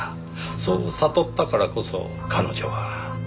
そう悟ったからこそ彼女は。